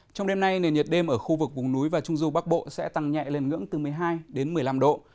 trong đêm nay nền nhiệt đêm ở khu vực vùng núi và trung du bắc bộ sẽ tăng nhẹ lên ngưỡng từ một mươi hai đến một mươi năm độ